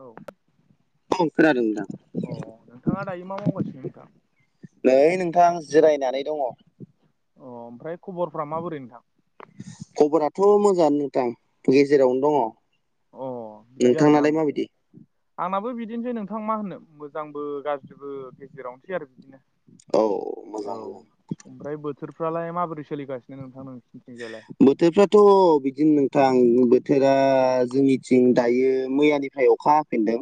औ औ खोनादों नोंथां अ नोंथाङा दायो मा मावगासिनो नोंथां नै नोंथां जिरायनानै दङ अ ओमफ्राय खबरफ्रा माबोरै नोंथां खबराथ' मोजाङानो नोंथां गेजेरावनो दङ अ बिदि आरोना नोंथांनालाय होमबा माबायदि? आंनाबो बिदिनोसै नोंथां मा होननो मोजांबो गाज्रिबो गेजेरावनोसै आरो बिदिनो औ औ मोजां नोंथां ओमफ्राय बोथोरफ्रालाय माबोरै सोलिासिनो नोंथां नोंसिनिथिंजायलाय बोथोरफ्राथ' बिदिनो नोंथां बोथोरा जोंनिथिं दायो मैयानिफ्राय अखा फिनदों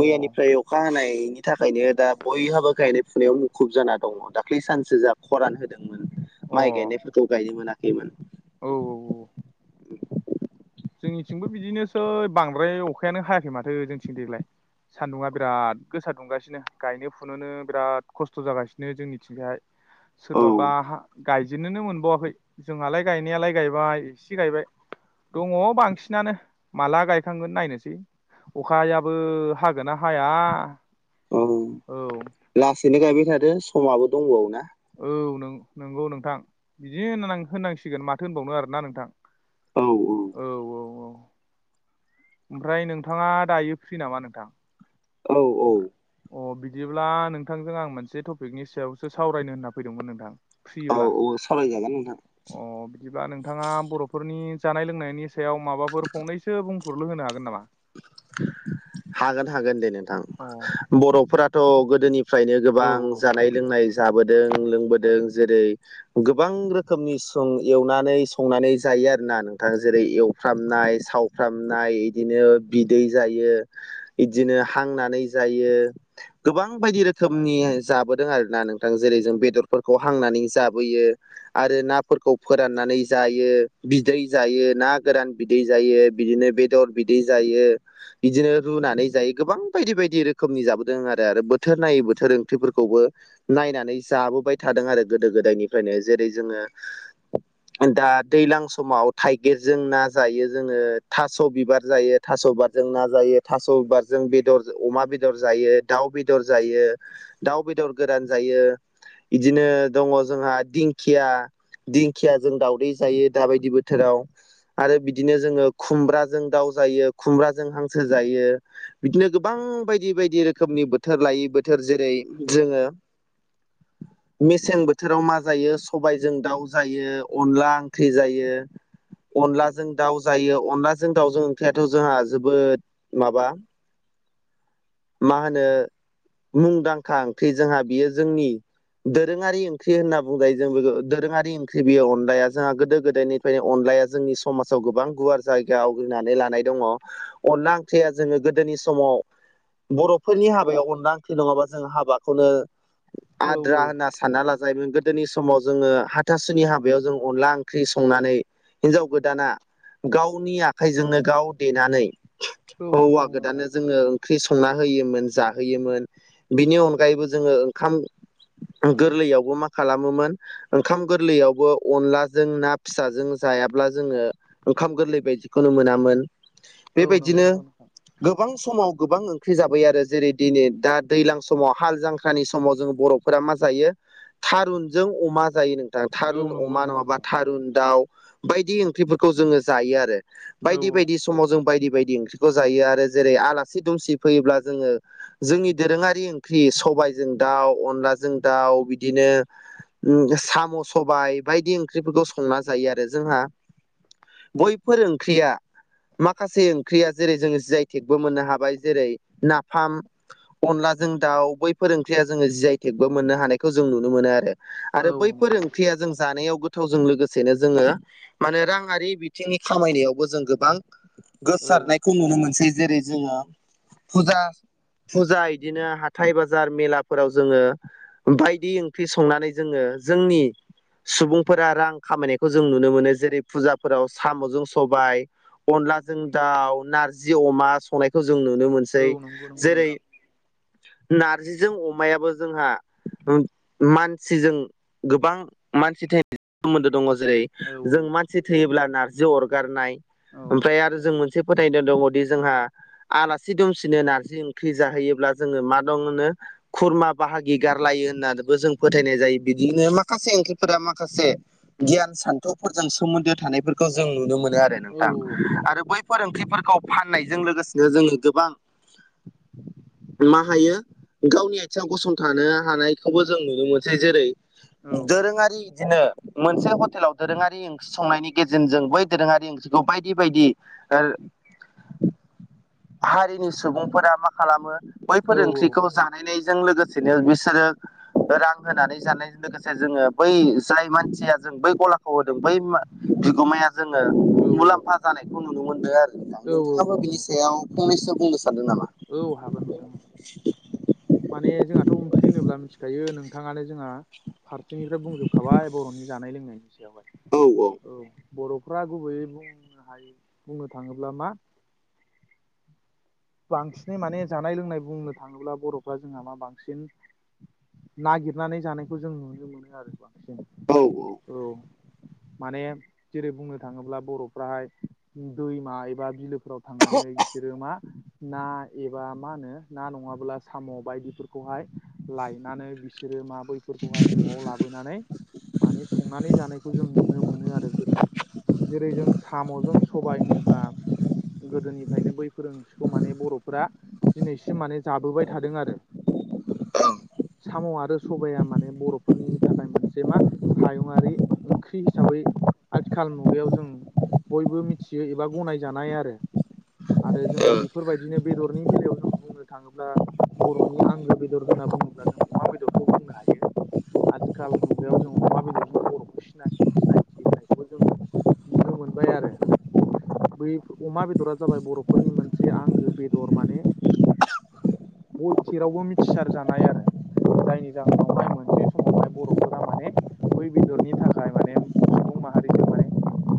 अ मैयानिफ्राय अखा हानायनि थाखायनो दा बयहाबो गायनाय फुनायाव मुखुब जाना दङ दाख्लै सानसो जाबाय खरान होदोंमोन माइ गायनायफोरखौ गायनो मोनाखैमोन औ औ औ जोंनिथिंबो बिदिनोसै बांद्राय अखायानो हायाखै माथो जोंनिथिं देग्लाय सानदुंङा बिराद गोसा दुंगासिनो गायनो फुनोनो बिराद खस्थ' जागासिनो जोंनिथिंजाहाय औ सोरबाबा हा गायजेननोनो मोनबावाखै जोंहालाय गायनायालाय गायबाय एसे गायबाय दङ बांसिनानो माला गायखांगोन नायनोसै अखायाबो हागोन ना हाया औ औ लासैनो गायबाय थादो समाबो दंबावो ना औ नंगौ नोंथां बिदि होन होनांसिगोन माथो होनबावनो आरोना नोंथां औ औ औ ओमफ्राय नोंथाङा दायो फ्रि नामा नोंथां औ औ अ बिदिब्ला नोंथांजों आं मोनसे टपिकनि सायावसो सावरायनो होनना फैदोंमोन नोंथां औ फ्रिब्ला औ सावरायजागोन नोंथां अ बिदिबा नोंथाङा बर'फोरनि जानाय लोंनायनि सायाव माबाफोर फंनैसो बुं बुंफुरलु होनो हागोन नामा हागोन हागोन दे नोंथां औ बर'फोराथ' गोदोनि फ्रायनो औ गोबां जानाय लोंनाय जाबोदों लोंबोदों जेरै गोबां रोखोमनि सं एवनानै संनानै जायो आरोना नोंथाङा जेरै एवफ्रामनाय साव फ्रामनाय इदिनो बिदै जायो बिदिनो हांनानै जायो गोबां बायदि रोखोम रोखोमनि जाबोदों आरो ना नोंथां जेरै जों बेदरफोरखौ हांनानै जाबोयो आरो नाफोरखौ फोराननानै जायो बिदै जायो ना गोरान बिदै जायो बिदिनो बेदर बिदै जायो बिदिनो रुनानै जायो गोबां बायदि बायदि रोखोमनि रोखोमनि जाबोदों आरो आरो बोथोर नायै बोथोर ओंख्रिफोरखौबो नायनानै जाबोबाय थादों आरो गोदो गोदायनिफ्रायनो जेरै जोङो [inaudible] दा दैज्लां समाव थाइगिरजों ना जायो जोङो थास' बिबार जायो थास' बारजों ना जायो थास'बारजों बेदर अमा बेदर जायो दाउ बेदर जायो दाउ बेदर गोरान जायो इदिनो दङ जोंहा दिंखिया दिंखियााजों दावदै जायो दाबायदि बोथोराव आरो बिदिनो जोङो खुमब्राजों दाउ जायो खुमब्राजों हांसो जायो बिदिनो गोबां बायदि बायदि रोख रखोमनि बोथोर लायै बोथोर जेरै जोङो मेसें बोथोराव मा जायो सबायाइजों दाउ जायो अनला ओंख्रि जायो अनलाजों दाउ जायो अनलाजों दाउजों ओंख्रिआथ' जोंहा जोबोद माबा मा होनो मुंदांखा ओंख्रि जोंहा बियो जोंनि दोरोङारि ख्रि होनना बुंजायो जों [unintelligible] दोरोङारि ओंख्रि बेयो अनलाया जोंहा गोदो गोदायनिफ्रायनो अनलाया जोंनि समाजाव गोबां गुवार जायगा आवग्रिना दङ अनला ओंख्रिया जोङो गोदोनि समाव बर'फोरनि हाबायाव अनला ओंख्रि नङाबा जों हाबाखौनो आद्रा औ होनना सा सानना लाजायोमोन गोदोनि समाव जोङो हाथासुनि हाबायाव जों अनला ओंख्रि संनानै हिनजाव गोदाना गावनि आखाइजोंनो गाव नानै औ नंगौ हौवा नंगौ नोंथां गोदाननो जोङो ओंख्रि संना होयोमोन जाहोयोमोन बिनि अनगायैबो जोङो ओंखाम गोरलैयावबो मा खालामोमोन ओंखाम गोरलैयावबो अनलाजों ना फिसाजों जायाब्ला जोङो ओंखाम गोरलै बायदिखौनो मोनामोन औ नंगौ बेबायदिनो नंगौ नोंथां गोबां समाव गोबां ओंख्रि जाबाय आरो जेरै दिनै दा दैज्लां समाव हाल जांख्रानि समाव जों बरफ फोरा मा जायो थारुनजों अमा जायो नोंथां औ थारुन नंगौ अमा नंगौ नङाबा नोंथां थारुन दाउ बायदि ओंख्रिफोरखौ जोङो जायो आरो औ बायदि [unintelligible] समाव जों बायदि बायदि ओंख्रिखौ जायो आरो जेरै आलासि दुमसि फैयोब्ला जोङो जोंनि दोरोङारि ओंख्रि सबायजों दाउ अनलाजों दाउ बिदिनो उ साम' सबाय बायदि ओंख्रिफोरखौ संना जायो आरो जोंहा बयफोर ओंख्रिया माखासे ओंख्रिया जेरै जोङो जि आइ टेकबो मोननो हाबाय जेरै नाफाम अनलाजों दाउ बैफोर ओंख्रिया जोङो जि आइ टेकबो मोननो हानायखौ जों नुनो मोनो आरो औ आरो बैफोर नंगौ ओं ख्रिया जों जानायाव गोथावजों लोगोसेनो जोङो मानो राङारि बिथिंनि खामायनायावबो जों गोब बां औ गोसारनायखौ नुनो मोनसै जेरै जोङो फुजा फुजा इदिनो हा थाइ बाजार मेलाफोराव जोङो बायदि ओंख्रि संनानै जोङो जोंनि सुबुंफोरा रां खामायनायखौ जों नुनो मोनो जेरै फुजाफोराव साम'जों सबाय अनलाजों दाउ नारजि अमा संनायखौ जों नुनो औ मोनसै औ नंगौ नंगौ जेरै नोंथां नारजिजों अमायाबो जोंहा उ मानसिजों गोबां मानसि [unintelligible] सोमोन्दो दङ जेरै औ औ जों मानसि थैयोब्ला नारजि अरगारनाय औ ओमफाय आरो जों मोनसे फोथायदो दङदि जोंहा आलासि दुमसिनो नारजि ओंख्रि जाहैयोब्ला जोङो मा दं होनो खुरमा बाहागि गारलायो होनना [unintelligible] बो जों फोथायनाय जायो बिदिनो माखासे ओंख्रिफोरा माखासे गियान सान्थौफोरजों सोमोन्दो थानायफोरखौ जों नुनो मोनो आरो नों औ आरो बै फोर ओंख्रिफोरखौ फाननायजों लोगोसेनो जोङो गोबां मा हायो गावनि आथिङाव गसंथानो हानायखौबो जों नुनो मोनसै जेरै दोरोङारि इदिनो मोनसे हटेलाव दोरोङारि ओंख्रि संनायनि गेजेनजों बै दोरोङारि ओंख्रि [unintelligible] बायदि बायदि ओ हारिनि सुबुंफोरा मा खालामो बैफोर औ ओंख्रिखौ जानायनायजों लोगोसेनो बिसोरो रां होनानै जानायजों लोगोसे जोङो बै जाय मानसिया जों बै गला खौ होदों बै बिगोमाया जोङो मुलाम्फा जानायखौ नुनो मोनदों आरो। नोंथां औ नोंथाङाबो बिनि सायाव फंनैसो बुंनो सानदों नामा? औ हागोन। माने जोंहाथ' ओंख्रि होनोब्ला मिथिखायो नोंथाङानो जोंहा फारसेनिफ्राय बुंजोबखाबाय बर'नि जानाय लोंनायनि सायावहाय। औ औ। औ बर'फ्रा गुबैयै बुंनो हायो बुंनो थाङोब्ला मा बांसिनै माने जानाय लोंनाय बुंनो थाङोब्ला बर'फ्रा जोंहा मा बांसिन नागिरनानै जानायखौ जों नुनो मोनो आरो बांसिन। औ औ। औ। माने जेरै बुंनो थाङोब्ला बर'फ्राहाय दैमा एबा बिलो। औ थांनानै बिसोरो मा ना एबा मा होनो ना नङाब्ला साम' बायदिफोरखौहाय लायनानै बिसोरो मा बैफोरखौहाय न'आव लाबोनानै। माने संनानै जानायखौ जों नुनो मोनो आरो गोदोनिफ्राय। जेरै- जों साम'जों सबाय होनोब्ला गोदोनिफ्रायनो बैफोर ओंख्रि खौ माने बर'फोरा दिनैसिम माने जाबोबाय थादों आरो। साम' आरो सबाया माने बर'फोरनि थाखाय मोनसे मा हायुङारि ओंख्रि हिसाबै आथिखाल मुगायाव जों बयबो मिथियो एबा गनायजानाय आरो। आरो जोंहा बे। बेफोरबायदिनो बेदरनि बेलायाव जों बुंनो थाङोब्ला बर'नि आंगो बेदर होनना बुङोब्ला जों अमा बेदरखौ बुंनो हायो। आथिखाल मुगायाव जों अमा बेदरजों बर'खौ सि सिनायथि होनायखौबो जों नुनो मोनबाय आरो। बै अमा बेदरा जाबाय बर'फोरनि मोनसे आंगो बेदर माने जेरावबो मिथिसार जानाय आरो। जायनि जाहोनावहाय मोनसे समावहाय बर'फोरा माने बै बेदरनि थाखाय माने सुबुं माहारिजों माने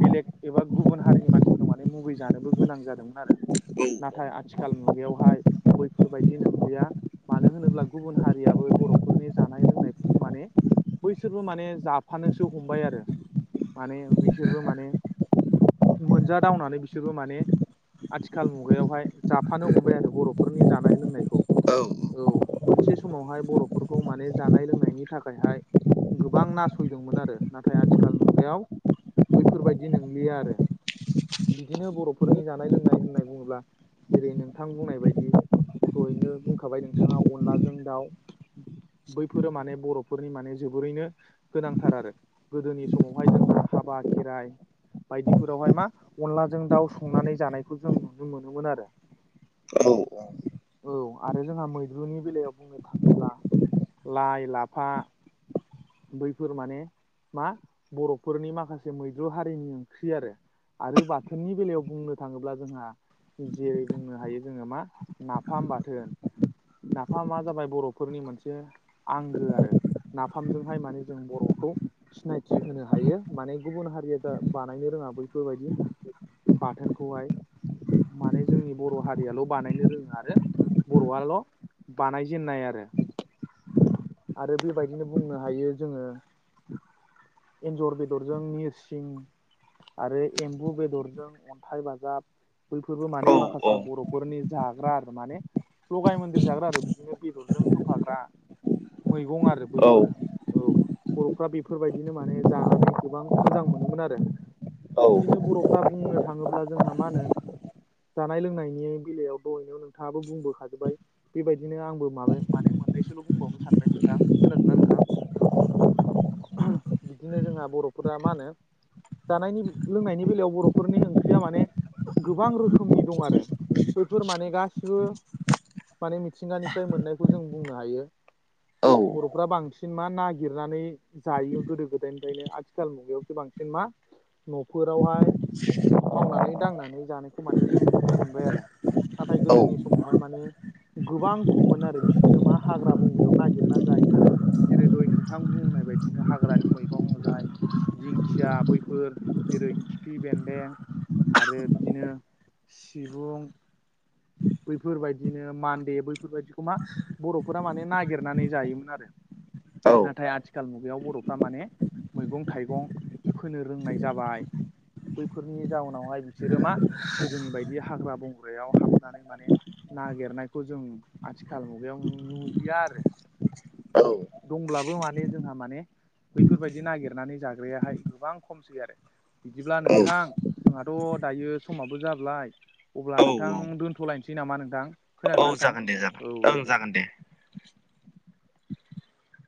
बेलेग एबा गुबुन हारिनि मानसिफोर दं माने मुगै जानोबो गोनां जादोंमोन आरो। औ नाथाय आथिखाल मुगायावहाय बैफोरबायदि नंलिया। मानो होनोब्ला गुबुन हारियाबो बर'फोरनि जानाय लोंनायफोरखौ माने बैसोरबो माने जाफानोसो हमबाय आरो। माने बैसोरबो माने मोनजादावनानै बिसोरबो माने आथिखाल मुगायाव हाय जाफानो हमबाय आरो बर'फोरनि जानाय लोंनायखौ। औ औ मोनसे समावहाय बर'फोरखौ माने जानाय लोंनायनि थाखायहाय। गोबां नासयदोंमोन आरो नाथाय आथिखाल मुगायाव। बैफोरबायदि नंलिया आरो बिदिनो बर'फोरनि जानाय लोंनाय होननाय बुङोब्ला। जेरै नोंथां बुंनाय बायदि दहैनो बुंखाबाय नोंथाङा अनलाजों दाउ, बैफोरो माने बर'फोरनि माने जोबोरैनो गोनांथार आरो। गोदोनि समावहाय जोंहा हाबा, खेराइ, बायदिफोरावहाय मा अनलाजों दाउ संनानै जानायखौ जों नुनो मोनोमोन आरो। औ। औ आरो जोंहा मैद्रुनि बेलायाव बुंनो थाङोब्ला लाइ, लाफा बैफोर माने मा बर'फोरनि माखासे मैद्रु हारिनि ओंख्रि आरो। आरो बाथोननि बेलायाव बुंनो थाङोब्ला जोंहा जेरै बुंनो हायो जोङो मा नाफाम बाथोन नाफामा जाबाय बर'फोरनि मोनसे आंगो आरो नाफामजोंहाय माने जों बर'खौ सिनायथि होनो हायो माने गुबुन हारिया दा बानायनो रोङा बैफोरबायदि बाथोनखौहाय माने जोंनि बर' हारियाल' बानायनो रोङो आरो बर'आल' बानायजेनाय आरो आरो बेबायदिनो बुंनो हायो जोङो एन्जर बेदरजों निरसिं आरो एम्बु बेदरजों अन्थाइ बाजाब बैफोरबो माने माखासे बर'फोरनि जाग्रा आरो माने लगाय मन्दिर जाग्रा आरो बिदिनो बेदरजों होफाग्रा मैगं आरो बैफोरो औ बर'फ्रा बेफोरबायदिनो माने जानानै गोबां मोजां मोनोमोन आरो बिदिनो बर'फ्रा बुंनो थाङोब्ला जोंहा मा होनो जानाय लोंनायनि बेलायाव दहनो नोंथाङाबो बुंबोखाजोबबाय बेबायदिनो आंबो माबाय माने मोननैसोल' बुंबावनो सानबाय नोंथां खोनागोनना नोंथां बिदिनो जोंहा बर'फोरा मा होनो जानायनि लोंनायनि बेलायाव बर'फोरनि ओंख्रिया माने गोबां रोखोमनि दं आरो बैफोर माने गासिबो माने मिथिंगानिफ्राय मोननायखौ जों बुंनो हायो बर'फ्रा बांसिन मा नागिरनानै जायो गोदो गोदायनिफ्रायनो आथिखाल मुगायावसो बांसिन मा न'फोरावहाय मावनानै दांनानै जानायखौ माने जों नुनो मोनबाय आरो नाथाय औ गोदोनि समावहाय माने गोबां खममोन आरो बिसोरो मा हाग्रा बंग्रायाव नागिरना जायोमोन आरो जेरै दय नोंथां बुंनाय बायदिनो हाग्रानि मैगं जाय दिंखिया बैफोर जेरै खिफि बेन्दोंें आरो बिदिनो सिबुं बैफोरबायदिनो मान्दे बैफोरबायदिखौ मा बर'फोरा माने नागिरनानै जायोमोन आरो औ नाथाय आथिखाल मुगायाव बर'फ्रा माने मैगं थाइगं फोनो रोंनाय जाबाय बैफोरनि जाउनावहाय बिसोरो मा गोदोनि बायदि हाग्रा बंग्रायाव हाब नानै माने नागिरनायखौ जों आथिखाल मुगायाव नुलिया आरो दंब्लाबो माने जोंहा माने बैफोरबायाददि नागिरनानै जाग्रायाहाय गोबां खमसै आरो बिदिब्ला नोंथां जोंहाथ' दायो समाबो जाबाय अब्ला नोंथां औ दोन्थ'लायनोसै नामा नोंथां औ खोनागोनदां जागोन दे जागोन नोंथां औ दे ओं दे जागोन